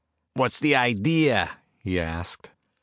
"What's the idea?" he asked.